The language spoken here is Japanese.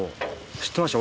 知ってました？